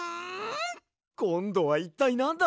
こんどはいったいなんだ？